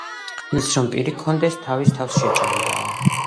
ილს რომ პირი ჰქონდეს, თავის თავს შეჭამდაო